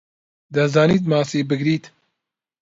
دەزانیت ماسی بگریت؟